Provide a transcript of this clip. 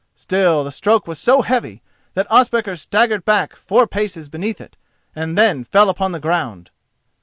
Still the stroke was so heavy that Ospakar staggered back four paces beneath it, then fell upon the ground.